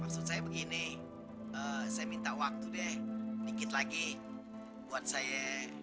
maksud saya begini saya minta waktu deh dikit lagi buat saya